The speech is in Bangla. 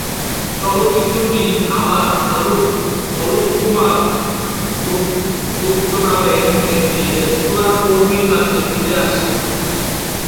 চলচ্চিত্রটি আবার অলোক কুমার গুপ্ত নামে একটি রেস্তোরাঁর কর্মীর কাছে ফিরে আসে।